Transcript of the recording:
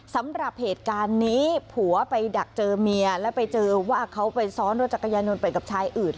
สำหรับเหตุการณ์นี้ผัวไปดักเจอเมียแล้วไปเจอว่าเขาไปซ้อนรถจักรยานยนต์ไปกับชายอื่น